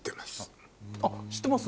あっ知ってます？